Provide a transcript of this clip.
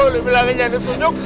lebih langsung jangan ditunjuk